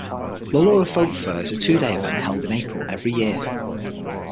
The Laura Folk Fair is a two-day event held in April every year.